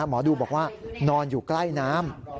หมอดูบอกว่านอนอยู่ใกล้น้ำ